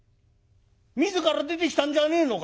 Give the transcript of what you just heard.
自ら出てきたんじゃねえのか。